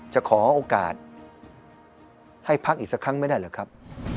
จะขอโอกาสให้พักอีกสักครั้งไม่ได้หรือครับ